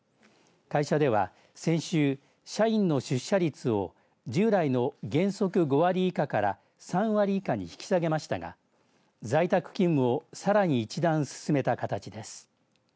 会社では先週、社員の出社率を従来の原則５割以下から３割以下に引き下げましたが在宅勤務をさらに一段進めた形です。